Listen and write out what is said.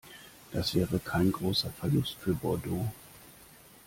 Das wäre kein großer Verlust für Bordeaux.